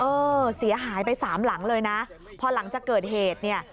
เออเสียหายไปสามหลังเลยนะพอหลังจากเกิดเหตุเนี่ย